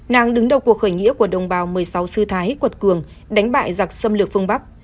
nàng đứng đầu cuộc khởi nghĩa của đồng bào một mươi sáu sư thái cuột cường đánh bại giặc xâm lược phương bắc